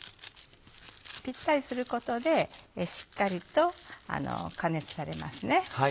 ぴったりすることでしっかりと加熱されますね。